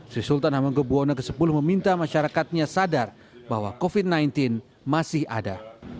sri sultan hamenggebuwono x meminta masyarakatnya sadar bahwa covid sembilan belas masih ada